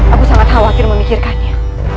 aku sangat khawatir memikirkannya